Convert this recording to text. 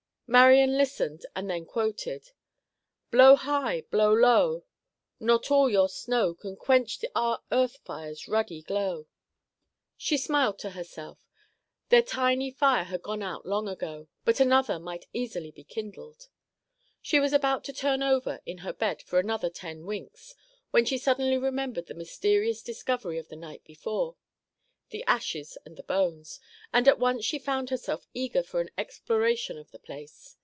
Marian listened, and then she quoted: "'Blow high, blow low, Not all your snow Can quench our hearth fire's Ruddy glow.'" She smiled to herself. Their tiny fire had gone out long ago, but another might easily be kindled. She was about to turn over in her bed for another ten winks, when she suddenly remembered the mysterious discovery of the night before—the ashes and the bones, and at once she found herself eager for an exploration of the place.